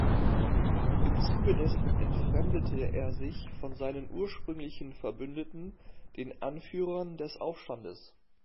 Im Zuge dessen entfremdete er sich von seinen ursprünglichen Verbündeten, den Anführern des Aufstandes.